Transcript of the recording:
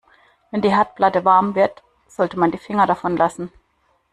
Wenn die Herdplatte warm wird, sollte man die Finger davon lassen.